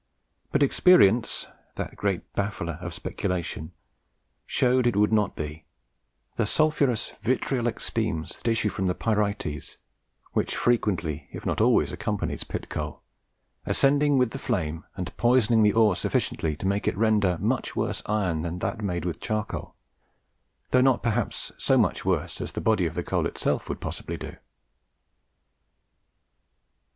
But experience, that great baffler of speculation, showed it would not be; the sulphureous vitriolic steams that issue from the pyrites, which frequently, if not always, accompanies pit coal, ascending with the flame, and poisoning the ore sufficiently to make it render much worse iron than that made with charcoal, though not perhaps so much worse as the body of the coal itself would possibly do."